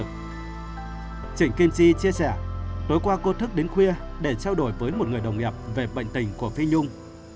trịnh kim chi chia sẻ tối qua cô thức đến khuya để trao đổi với một người đồng nghiệp về bệnh tình của phi nhung